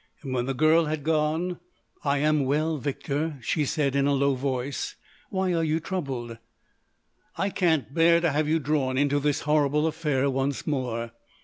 And when the girl had gone: "I am well, Victor," she said in a low voice. "Why are you troubled?" "I can't bear to have you drawn into this horrible affair once more."